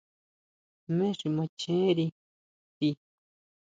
¿Jmé xi machjere ti?